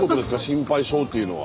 心配性っていうのは。